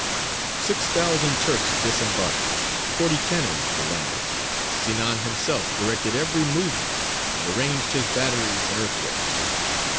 Six thousand Turks disembarked, forty cannons were landed, Sinān himself directed every movement, and arranged his batteries and earthworks.